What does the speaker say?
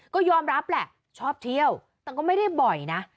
ก็ยอมรับแหละชอบเที่ยวแต่ก็ไม่ได้บ่อยนะ